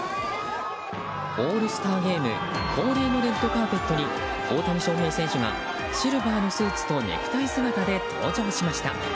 オールスターゲーム恒例のレッドカーペットに大谷翔平選手がシルバーのスーツとネクタイ姿で登場しました。